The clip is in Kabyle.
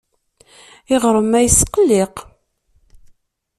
Iɣrem-a yesqelliq.